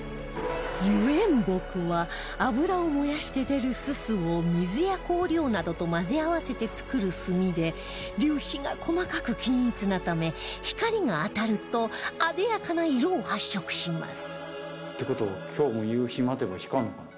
油煙墨は油を燃やして出る煤を水や香料などと混ぜ合わせて作る墨で粒子が細かく均一なため光が当たると艶やかな色を発色しますって事は今日も夕陽待てば光るのかな？